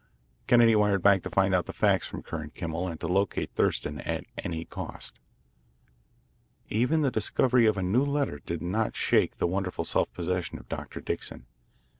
Kennedy wired back to find out the facts from Kerr & Kimmel and to locate Thurston at any cost. Even the discovery of the new letter did not shake the wonderful self possession of Dr. Dixon.